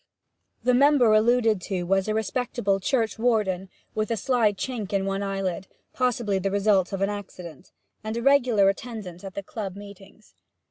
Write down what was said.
The member alluded to was a respectable churchwarden, with a sly chink to one eyelid possibly the result of an accident and a regular attendant at the Club meetings.